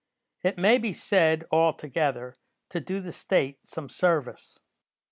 It may be said, altogether, to do the State some service.